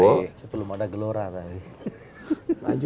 oh sebelum ada gelora tadi